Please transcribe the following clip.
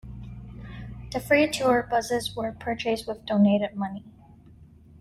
The three tour buses were purchased with donated money.